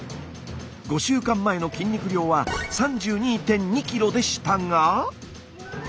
５週間前の筋肉量は３２．２ｋｇでしたが。